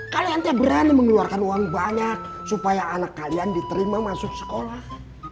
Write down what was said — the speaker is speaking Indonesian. kalian tidak berani mengeluarkan uang banyak supaya anak kalian diterima masuk sekolah